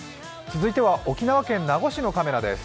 続いては沖縄県名護市のカメラです。